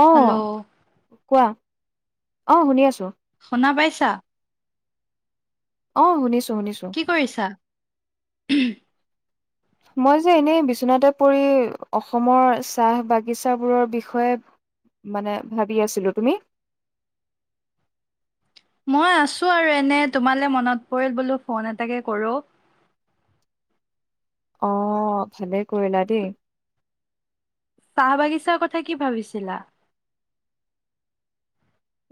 অ hello কোৱা। অহ, শুনি আছো। শুনা পাইছা। অহ, শুনিছো। শুনিছো কি কৰিছা? মই যে এনেই বিচনাতে পৰি অসমৰ চাহ বাগিছাবোৰৰ বিষয়ে মানে ভাবি আছিলো। তুমি মই আছোঁ আৰু এনে। তোমালৈ মনত পৰিল বোলো ফোন এটাকে কৰো। অহ, ভালেই কৰিলা দেই। চাহ বাগিচা ৰ কথা কি ভাবিছিলা।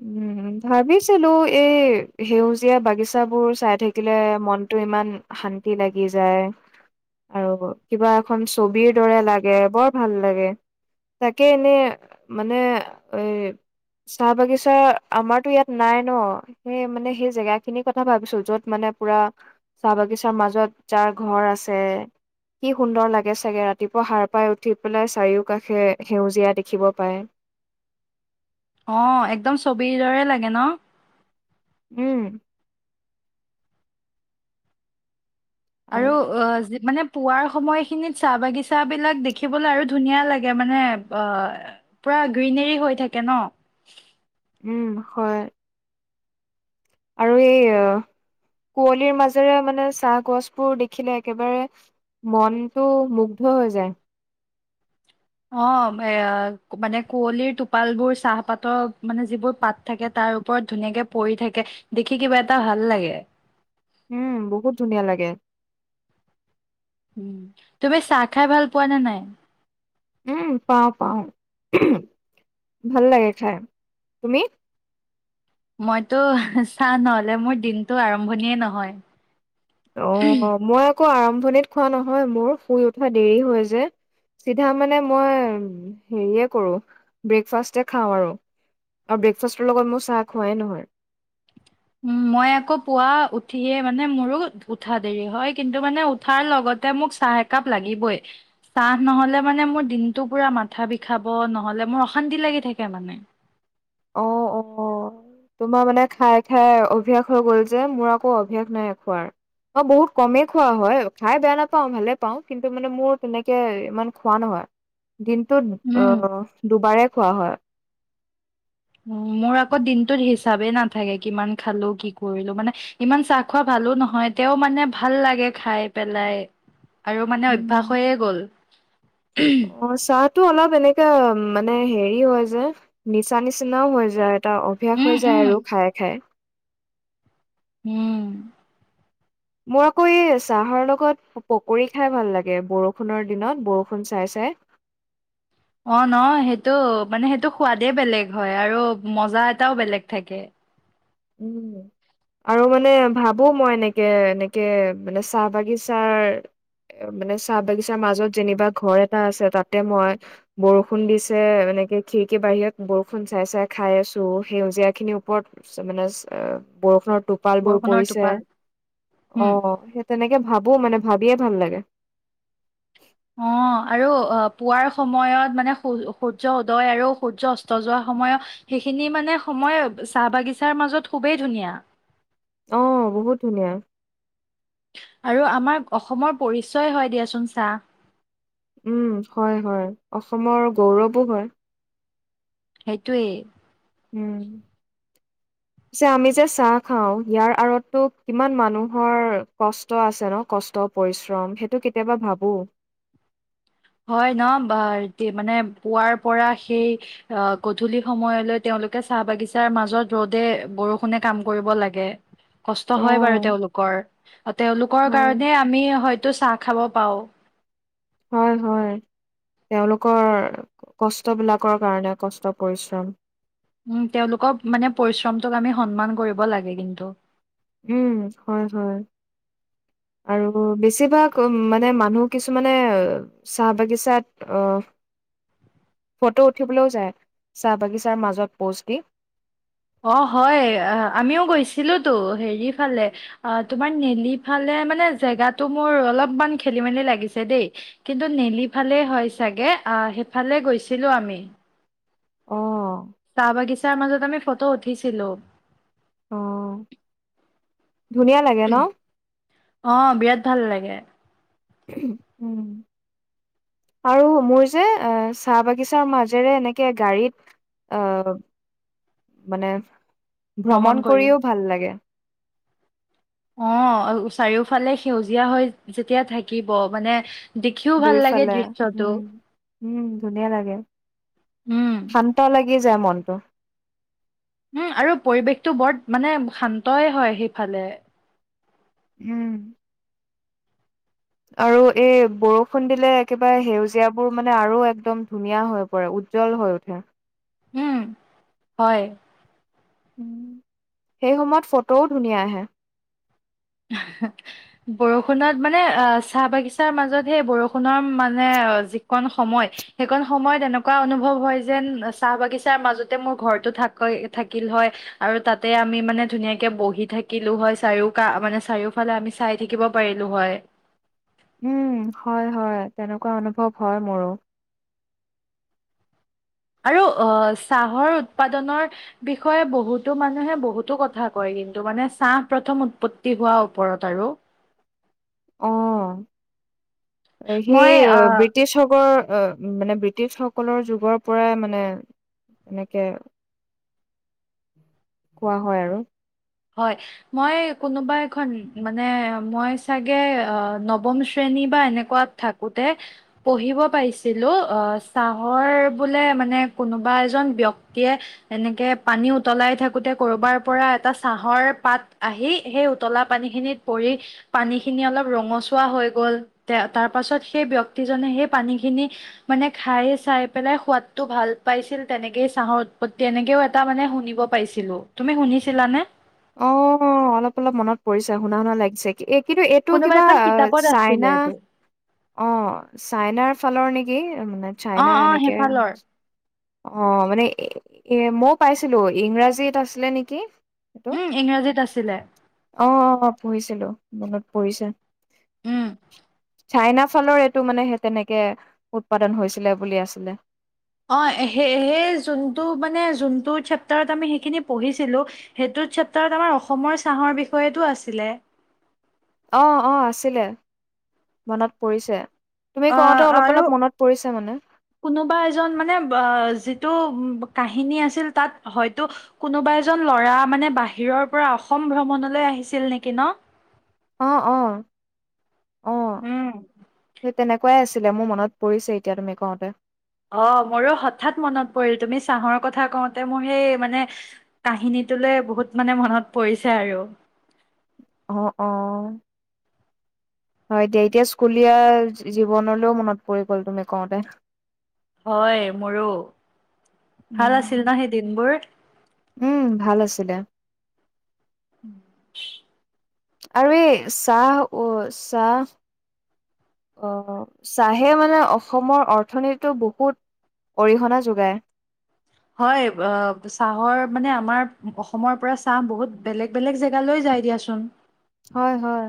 উম ভাবিছিলো। এই সেউজীয়া বাগিচাবোৰ চাই থাকিলে মনতটো ইমান শান্তি লাগি যায়। আৰু কিবা এখন ছবিৰ দৰে লাগে বৰ ভাল লাগে। তাকে এনে মানে এ চাহ বাগিচা। চাহ আমাৰতো ইয়াত নাই ন। সেই মানে সেই জেগা খিনিৰ কথা ভাবিছো। য'ত মানে পুৰা চাহ বাগিছাৰ মাজত যাৰ ঘৰ আছে কি সুন্দৰ লাগে চাগে ৰাতিপুৱা সাৰ পাই উঠি পেলাই চাৰিও কাষে সেউজীয়া দেখিব পায়। অ, একদম ছবিৰ দৰে লাগে ন। উম। আৰু অহ যিমানেই। পোৱাৰ সময়খিনিত চাহ বাগিচা বিলাক দেখিবলৈ আৰু ধুনীয়া লাগে। মানে অ পুৰা গ্ৰীনেৰী হৈ থাকে ন। উম, হয় আৰু এই কুঁৱলীৰ মাজেৰে মানে চাহ গছবোৰ দেখিলে একেবাৰে মনটো মুগ্ধ হৈ যায়। অ এ মানে কুঁৱলীৰ টোপাল বোৰ চাহপাতৰ মানে যিবোৰ পাত থাকে। তাৰ ওপৰত ধুনীয়াকে পৰি থাকে দেখি কিবা এটা ভাল লাগে। উম বহুত ধুনীয়া লাগে। উম, তুমি চাহ খাই ভাল পোৱা নে নাই। উম, পাওঁ, পাওঁ ভাল লাগে খাই। তুমি মইতো চা নহলে মোৰ দিনতটো আৰম্ভণিয়ে নহয়। অ, বাৰু মই। আকৌ আৰম্ভণিত খোৱা নহয় মোৰ। শুই উঠা দেৰি হয় যে। চিধা মানে মই হেৰিয়ে কৰো ব্ৰেকফাষ্টে খাওঁ, আৰু ব্ৰেকফাষ্টৰ লগত মোৰ চাহ খোৱাই নহয়। উম, মই আকৌ পুৱা উঠিয়ে মানে মোৰো উঠা দেৰি হয়। কিন্তু মানে উঠাৰ লগতে মোক চাহ একাপ লাগিবই। চাহ নহ'লে মানে মোৰ দিনটো পুৰা মাথা বিষাব। নহ'লে মোৰ অশান্তি লাগি থাকে মানে। অ, অ তোমাৰ মানে খাই, খাই অভ্যাস হৈ গল যে। মোৰ আকৌ অভ্যাস নাই। খোৱাৰ অ বহুত কমেই খোৱা হয়। খাই বেয়া নাপাওঁ ভালে পাওঁ। কিন্তু মানে মোৰ তেনেকে ইমান খোৱা নহয়। দিনটোত উম, অহ দুবাৰে খোৱা হয়। উম, মোৰ আকৌ দিনটোত হিচাবেই নাথাকে কিমান খালো। কি কৰিলো মানে ইমান চাহ খোৱা ভালো নহয়। তেওঁ মানে ভাল লাগে খাই পেলাই। আৰু মানে উম। অভ্যাস হৈয়ে গ'ল। [unintelligible] অ চাত চাহ টো অলপ এনেকােৱা মানে হেৰি হয় যে। নিচা নিচিনাও হৈ যায়। এটা অভ্যাস উম, হৈ যায় উম, আৰু খাই-খাই। উম, মোৰ আকৌ এই চাহৰ লগত পকৰি খাই ভাল লাগে বৰষুণৰ দিনত বৰষুণ চাই-চাই। অ ন সেইটো মানে সেইটো সোৱাদে বেলেগ হয় আৰু মজা এটাও বেলেগ থাকে। উম আৰু মানে ভাবো মই এনেকে এনেকে মানে চাহ বাগিচাৰ মানে চাহ বাগিচাৰ মাজত যেনিবা ঘৰ এটা আছে তাতে মই বৰষুণ দিছে এনেকে খিৰিকী বাহিৰত বৰষুণ চাই-চাই খাই আছো। সেউজীয়া খিনিৰ ওপৰত মানে অ' বৰষুণত টোপাল বোৰ বৰষুণৰ পৰিছে টোপাল উম অ' সেই তেনেকে ভাবো মানে। ভাবিয়ে ভাল লাগে। পোৱাৰ সময়ত মানে সূৰ্য উদয় আৰু সূৰ্য অস্ত যোৱাৰ সময়ত সেইখিনি মানে সময় চাহ বাগিচাৰ মাজত খুবেই ধুনীয়া। অহ বহুত ধুনীয়া। আৰু আমাৰ অসমৰ পৰিচয় হয় দিয়াচোন চাহ। উম, হয়-হয় অসমৰ গৌৰৱো হয়। সেইটোয়ে উম পিছে আমি যে চাহ খাওঁ ইয়াৰ আঁৰতটো কিমান মানুহৰ কষ্ট আছে ন কষ্ট পৰিশ্ৰম সেইটো কেতিয়াবা ভাবো। হয় ন মানে পুৱাৰ পৰা সেই গধূলি সময়লৈ তেওঁলোকে চাহ বাগিচাৰ মাজত ৰ'দে বৰষুণে কাম কৰিব লাগে। কষ্ট হয় বাৰু অ', তেওঁলোকৰ-তেওঁলোকৰ হয়। কাৰণে আমি হয়তো চাহ খাব পাওঁ। হয়-হয় তেওঁলোকৰ কষ্টবিলাকৰ কাৰণে কষ্ট পৰিশ্ৰম। উম, তেওঁলোকক মানে পৰিশ্ৰমটোক আমি সন্মান কৰিব লাগে কিন্তু। উম, হয়-হয় আৰু বেছিভাগ মানে মানুহ কিছুমানে চাহ বাগিচাত অহ, ফটো উঠিবলৈও যায় চাহ বাগিচাৰ মাজত প'ষ্ট দি। অ' হয় আমিও গৈছিলোতো হেৰিফালে তোমাৰ নেলি ফালে মানে জেগাটো মোৰ অলপমান খেলি-মেলি লাগিছে দেই কিন্তু নেলিফালে হয় চাগে অহ, সেইফালে গৈছিলোঁ আমি। অ, তো উঠিছিলো। অ', ধুনীয়া লাগে ন অ' বিৰাট ভাল লাগে। উম আৰু মোৰ যে এ চাহ বাগিচাৰ মাজেৰে এনেকে গাড়ীত অহ মানে ভ্ৰমণ কৰিও ভাল লাগে। অ' চাৰিওফালে সেউজীয়া হৈ যেতিয়া থাকিব মানে দেখিও ভাল লাগে দুইফালে দৃশ্যটো উম-উম ধুনীয়া লাগে উম শান্ত লাগে। যায় মনটো। উম আৰু পৰিৱেশটো বৰ মানে শান্তই হয় সেইফালে। উম আৰু এই বৰষুণ দিলে একেবাৰে সেউজীয়াবোৰ মানে আৰু একদম ধুনীয়া হৈ পৰে উজ্জ্বল হৈ উঠে। উম হয়। সেই সময়ত ফটোও ধুনীয়া আহে। বৰষুণত মানে আহ চাহ বাগিচাৰ মাজত সেই বৰষুণৰ মানে যিখনন সময় সেইকন সময়ত এনেকুৱা অনুভৱ হয়, যেন চাহ বাগিচাৰ মাজতে মোৰ ঘৰটো থাক থাকিল হয় আৰু তাতে আমি মানে ধুনীয়াকে বহি থাকিলো হয়, চাৰিওকা মানে চাৰিওফালে আমি চাই থাকিব পাৰিলো হয়। উম হয়-হয় তেনেকুৱা অনুভৱ হয় মোৰো। আৰু অহ চাহৰ উৎপাদনৰ বিষয়ে বহুতো মানুহে বহুতো কথা কয় কিন্তু মানে চাহ প্ৰথম উৎপত্তি হোৱাৰ ওপৰত আৰু। অহ মই সেই আহ ব্ৰিটিছসকল মানে ব্ৰিটিছসকলৰ যুগৰ পৰাই মানে এনেকে কোৱা হয় আৰু। হয়। মই কোনোবা এখন মানে মই চাগে অ' নৱম শ্ৰেণী বা এনেকুৱাত থাকোতে পঢ়িব পাইছিলো অ' চাহৰ বোলে মানে কোনোবা এজন ব্যক্তিয়ে এনেকে পানী উতলাই থাকোতে ক'ৰবাৰ পৰা এটা চাহৰ পাত আহি সেই উতলা পানীখিনিত পৰি পানীখিনি অলপ ৰঙচুৱা হৈ গ'ল, তাৰ পাছত সেই ব্যক্তিজনে সেই পানী খিনি মানে খাই চাই পেলাই সোৱাদটো ভাল পাইছিল তেনেকেই চাহৰ উৎপত্তি এনেকেও এটা মানে শুনিব পাইছিলো। তুমি শুনিছিলানে? অ' অলপ-অলপ মনত পৰিছে শুনা-শুনা লাগিছে। কি-এ কিন্তু এইটো কোনোবা কিবা এখন কিতাপত আছিলে চাইনা এইটো অ' চাইনাৰ ফালৰ নেকি? মানে অ চাইনা অ এনেকে সেইফালৰ অ' মানে এ-এ মই পাইছিলো ইংৰাজীত আছিলে নেকি? সেটো, উম ইংৰাজীত আছিলে অ', অ' পঢ়িছিলো মনত পৰিছে। উ। চাইনা ফালৰ এটো মানে হে তেনেকে উৎপাদন হৈছিলে বুলি আছিলে। অ' হে-হেই জোনটো মানে জোনটো চেপ্তাৰত আমি হেখিনি পঢ়িছিলো, হেটো চেপ্তাৰত আমাৰ অসমৰ চাহৰ বিষয়টো আছিলে। অ', অ' আছিলে মনত পৰিছে। তুমি কওঁতে অ' অলপ আৰু অলপ মনত পৰিছে মানে কোনোবা এজন মানে বা-যিটো কাহিনী আছিল তাত হয়তো কোনোবা এজন ল'ৰা মানে বাহিৰৰ পৰা অসম ভ্ৰমণলৈ আহিছিল নেকি ন? অ অ অ হু। সেই তেনেকুৱাই আছিলে মো মনত পৰিছে এতিয়া তুমি কওঁতে। অ' মোৰো হঠাৎ মনত পৰিল। তুমি চাহৰ কথা কওঁতে মোৰ হেই মানে কাহিনীটোলৈ বহুত মানে মনত পৰিছে আৰু। অ', অ' হয় দে, এতিয়া স্কুলীয়া জী-জীৱনলও মনত পৰি গ'ল তুমি কওঁতে। হয় মোৰো। ভাল উম আছিল ন হে দিনবোৰ? উম ভাল আছিলে। উ। আৰু এই চাহ, অ' চাহ, অ' চাহে মানে অসমৰ অৰ্থনীতিটো বহুত অৰিহণা যোগায়। হয়। আ চাহৰ মানে আমাৰ অসমৰ পৰা চাহ বহুত বেলেগ-বেলেগ জেগালৈ যায় দিয়াচোন। হয়, হয়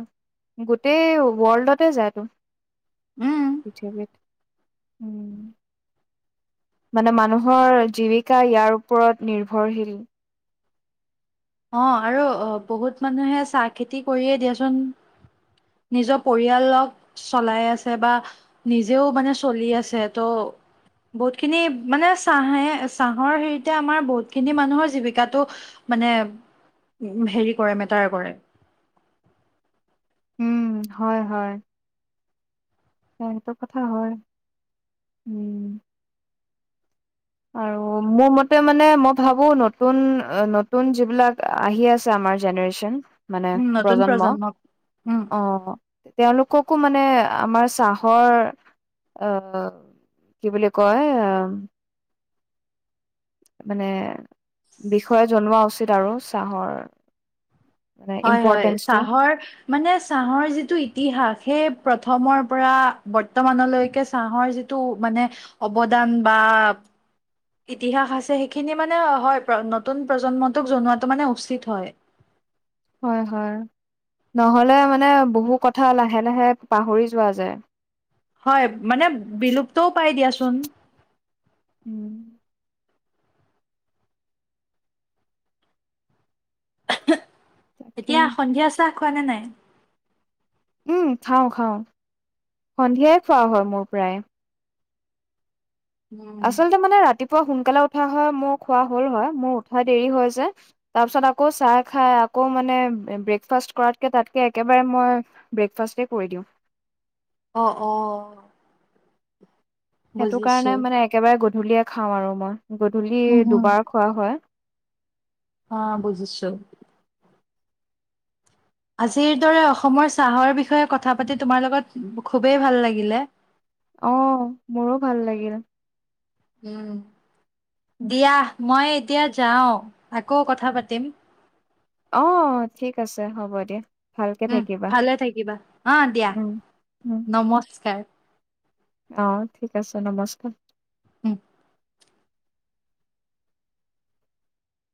গোটেই ৱৰ্ল্ডতে যায়তো। উম পৃথিৱীত উ মানে মানুহৰ জীৱিকা ইয়াৰ ওপৰত নিৰ্ভৰশীল। অ' আৰু বহুত মানুহে চাহ খেতি কৰিয়ে দিয়াচোন নিজৰ পৰিয়ালক চলাই আছে বা নিজেও মানে চলি আছে ত' বহুতখিনি মানে চাহে চাহৰ হেৰিতে আমাৰ বহুতখিনি মানুহৰ জীৱিকাটো মানে উ হেৰি কৰে, মেটাৰ কৰে। উ হয়, হয়। অ' হেটো কথা হয়। উম। আৰু মোৰ মতে মানে মই ভাবো নতুন, নতুন যিবিলাক আহি আছে আমাৰ জেনেৰেশ্যন মানে উম নতুন প্ৰজন্ম, প্ৰজন্মক উম অ' তে-তেওঁলোক ককো মানে আমাৰ চাহৰ আ-কি বুলি কয় আ মানে বিষয়ে জনোৱা উচিত আৰু চাহৰ। মানে হয়, হয় ইম্পৰ্টেঞ্চটো চাহৰ, মানে চাহৰ যিটো ইতিহাস। সেই প্ৰথমৰ পৰা বৰ্তমানলৈকে চাহৰ যিটো মানে অৱদান বা ইতিহাস আছে হেখিনি মানে হয় প্ৰ-নতুন প্ৰজন্মটোক জনোৱাটো মানে উচিত হয়। হয়-হয় নহ'লে মানে বহু কথা লাহে-লাহে পাহৰি যোৱা যায়। হয়, মানে বিলুপ্তও পাই দিয়াচ চোন। উম, [inaudible] তাকে। এতিয়া সন্ধিয়া আছা খোৱা নে নাই উম খাওঁ খাওঁ সন্ধিয়াই খোৱা হয় মোৰ প্ৰায় উম আচলতে মানে ৰাতিপুৱা সোনকালে উঠা হয় মোৰ খোৱা হ'ল হয় মোৰ উঠাই দেৰি হৈ যায় তাৰপিছত আকৌ চাই খাই আকৌ মানে ব্ৰেকফাষ্ট কৰাতকৈ তাতকৈ একেবাৰে মই ব্ৰেকফাষ্টেই কৰি দিওঁ অ অ সেইটো কাৰণে বুজিছো মানে একেবাৰে গ খাওঁ আৰু মই গধূলি উম, হুম, দুবাৰ খোৱা হয় অ বুজিছো আজিৰ দৰে অসমৰ চাহৰ বিষয়ে কথা পাতি তোমাৰ লগত খুবেই ভাল লাগিলে অ মোৰো ভাল লাগিল উম দিয়া মই এতিয়া যাও আকৌ কথা পাতিম অ ঠিক আছে হ'ব দিয়া ভালকে উম থাকিবা। ভালে থাকিবা অ দিয়া উম, উম। নমস্কাৰ অ ঠিক আছে নমস্কাৰ উম